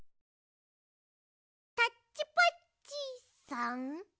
タッチパッチさん？